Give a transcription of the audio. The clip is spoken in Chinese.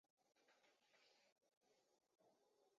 吕桑河畔丰人口变化图示